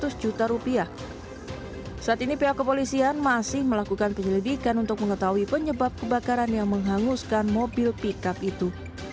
saat ini pihak kepolisian masih melakukan penyelidikan untuk mengetahui penyebab kebakaran yang menghanguskan mobil pickup itu